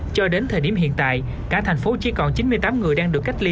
cho đến thời điểm hiện tại cả thành phố chỉ còn chín mươi tám người đang được cách ly